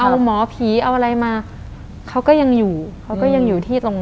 เอาหมอผีเอาอะไรมาเขาก็ยังอยู่เขาก็ยังอยู่ที่ตรง